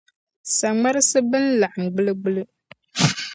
Saŋmarisi bɛn laɣim gbilligbilli.